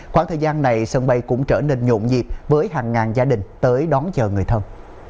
khoảng thời gian này sân bay cũng trở nên nhộn nhịp với hàng ngàn gia đình tới đón chờ người thân